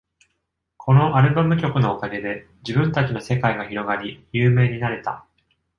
このアルバム曲のおかげで、自分たちの世界が広がり有名になれた。